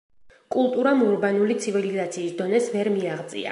კულტურამ ურბანული ცივილიზაციის დონეს ვერ მიაღწია.